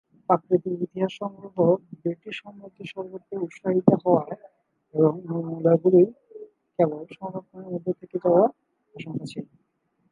প্রাকৃতিক ইতিহাস সংগ্রহ ব্রিটিশ সাম্রাজ্যের সর্বত্র উত্সাহিত হওয়ার এবং নমুনাগুলি কেবল সংরক্ষণের মধ্যেই থেকে যাওয়ার আশঙ্কা ছিল।